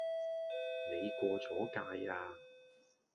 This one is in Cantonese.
你過左界呀